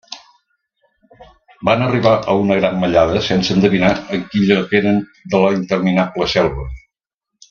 Van arribar a una gran mallada, sense endevinar en quin lloc eren de la interminable selva.